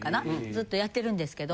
ずっとやってるんですけど。